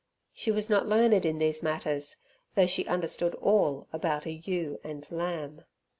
She was not learned in these matters, though she understood all about an ewe and lamb.